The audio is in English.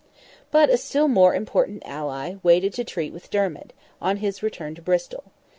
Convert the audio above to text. But a still more important ally waited to treat with Dermid, on his return to Bristol.